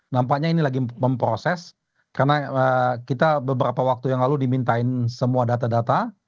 nampaknya ini lagi memproses karena kita beberapa waktu yang lalu dimintain semua data data